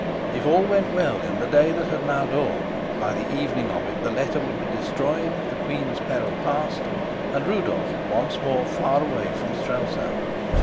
If all went well in the day that had now dawned, by the evening of it the letter would be destroyed, the queen's peril past, and Rudolf once more far away from Strelsau.